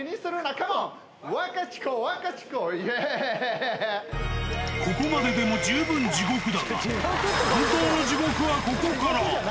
カモン、ここまででも十分地獄だが、本当の地獄はここから。